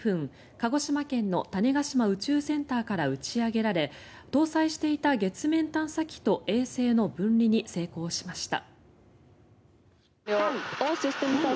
鹿児島県の種子島宇宙センターから打ち上げられ搭載していた月面探査機と衛星の分離に成功しました。